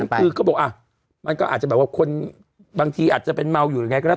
คือเขาบอกมันก็อาจจะแบบว่าคนบางทีอาจจะเป็นเมาอยู่หรือยังไงก็แล้ว